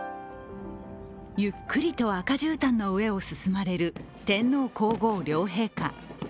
ゆっくりと赤じゅうたんの上を進まれる天皇皇后両陛下。